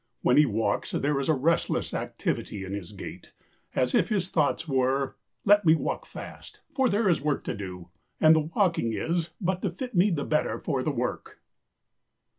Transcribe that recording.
When he walks there is a restless activity in his gait, as if his thoughts were, 'Let me walk fast, for there is work to do, and the walking is but to fit me the better for the work.